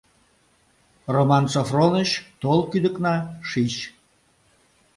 Роман Софроныч, тол кӱдыкна, шич.